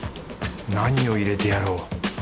何を入れてやろう？